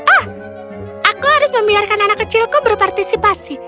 ah aku harus membiarkan anak kecilku berpartisipasi